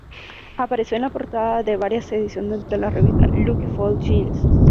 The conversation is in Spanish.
Apareció en la portada de varias ediciones de la revista Lucky Fall Jeans.